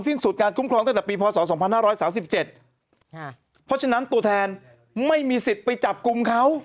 สิ้นสุดการปีพล๒๒๕๓๗เพราะฉะนั้นตัวแทนไม่มีศิษย์ไปจบกลุ่มเขา